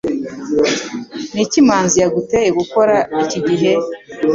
Niki manzi yaguteye gukora iki gihe?